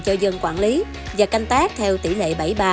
cho dân quản lý và canh tác theo tỷ lệ bảy ba